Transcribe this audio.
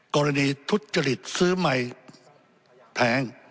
กรณีทุจจริตซื้อไม้แทง